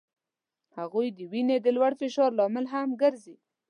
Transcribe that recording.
هغوی د وینې د لوړ فشار لامل هم ګرځي.